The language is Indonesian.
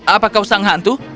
apa kau sang hantu